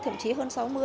thậm chí hơn sáu mươi